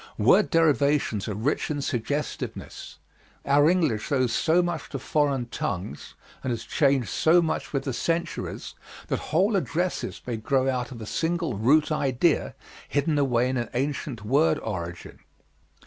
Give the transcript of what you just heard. Word derivations are rich in suggestiveness. Our English owes so much to foreign tongues and has changed so much with the centuries that whole addresses may grow out of a single root idea hidden away in an ancient word origin.